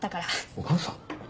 お母さん？